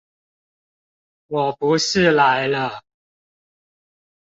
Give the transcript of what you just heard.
我不是來了！